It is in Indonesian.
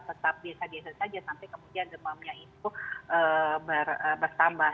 tetap biasa biasa saja sampai kemudian demamnya itu bertambah